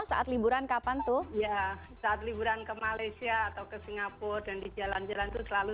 saat liburan kapan tuh ya saat liburan ke malaysia atau ke singapura dan di jalan jalan itu selalu